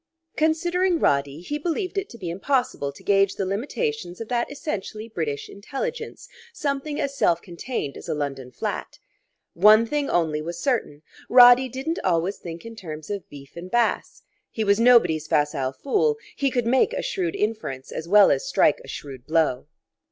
Considering Roddy, he believed it to be impossible to gauge the limitations of that essentially British intelligence something as self contained as a London flat. One thing only was certain: Roddy didn't always think in terms of beef and Bass; he was nobody's facile fool; he could make a shrewd inference as well as strike a shrewd blow.